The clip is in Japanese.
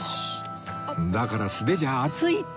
だから素手じゃ熱いって！